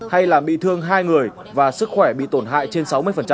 hay làm bị thương hai người và sức khỏe bị tổn hại trên sáu mươi